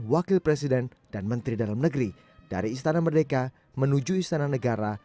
wakil presiden dan menteri dalam negeri dari istana merdeka menuju istana negara